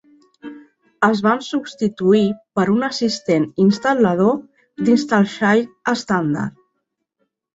Es van substituir per un assistent instal·lador d'InstallShield estàndard.